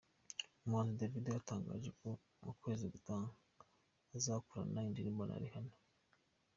Umuhanzi Davido yatangaje ko mu kwezi gutaha azakorana indirimbo na Rihanna.